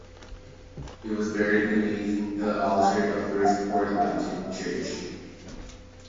He was buried beneath the altar of the first Port Lambton Church.